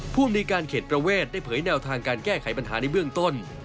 ภูมิในการเขตประเวทได้เผยแนวทางการแก้ไขปัญหาในเบื้องต้น